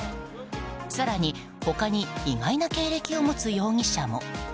更に、他に意外な経歴を持つ容疑者も。